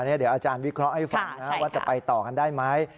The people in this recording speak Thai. เดี๋ยวอาจารย์วิเคราะห์ให้ฟังนะว่าจะไปต่อกันได้ไหม